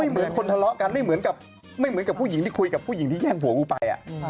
ไม่เหมือนคนทะเลาะกันไม่เหมือนกับผู้หญิงที่คุยกับผู้หญิงที่แยกผัวผู้ไป